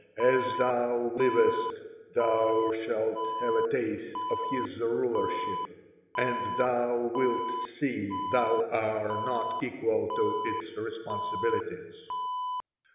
As thou livest, thou shalt have a taste of his rulership, and thou wilt see thou are not equal to its responsibilities."